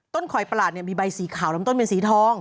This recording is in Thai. ต้นข่อยประหลาดเนี่ยมีใบสีขาวล้ำต้นมีสีทอง